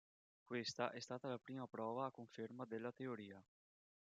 Questa è stata la prima prova a conferma della teoria.